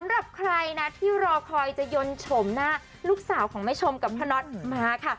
สำหรับใครนะที่รอคอยจะยนต์โฉมหน้าลูกสาวของแม่ชมกับพ่อน็อตมาค่ะ